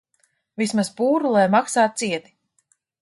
Vismaz pūru lai maksā cieti.